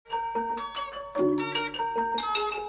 วัฒนธรรมการให้ของชำรวยเป็นของที่ระลึกให้แก่กันนั้น